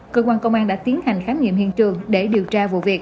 cơ quan công an đã tiến hành khám nghiệm hiện trường để điều tra vụ việc